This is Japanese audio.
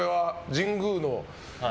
神宮の。